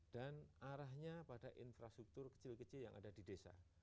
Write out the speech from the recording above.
dan arahnya pada infrastruktur kecil kecil yang ada di desa